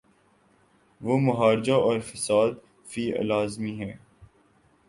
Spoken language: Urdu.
وہ محاربہ اور فساد فی الارض ہے۔